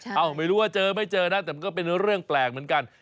ไม่รู้ว่าเจอไม่เจอนะแต่มันก็เป็นเรื่องแปลกเหมือนกัน